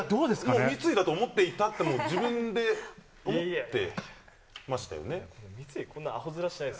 もう三井だと思っていたっていうのは、自分で思ってましたよ